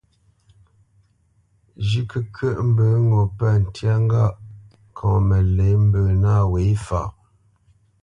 Zhʉ̌ʼ kəkyə́ʼ mbə ŋo pə̂ ntyá ŋgâʼ ŋkɔŋ məlě mbə nâ wě faʼ.